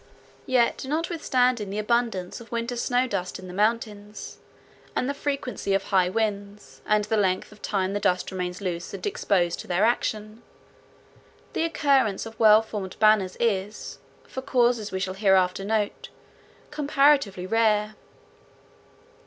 Yet, notwithstanding the abundance of winter snow dust in the mountains, and the frequency of high winds, and the length of time the dust remains loose and exposed to their action, the occurrence of well formed banners is, for causes we shall hereafter note, comparatively rare.